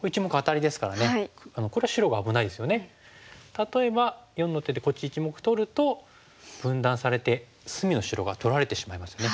例えば④の手でこっち１目取ると分断されて隅の白が取られてしまいますね。